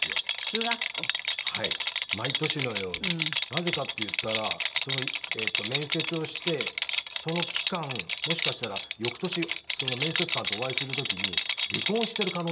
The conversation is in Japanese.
なぜかっていったら面接をしてその期間もしかしたら翌年面接官とお会いする時に離婚してる可能性もあるので。